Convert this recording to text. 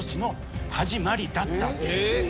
えっ？